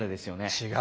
違う。